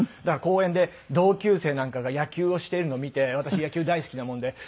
だから公園で同級生なんかが野球をしているのを見て私野球大好きなもんで。